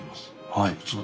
はい。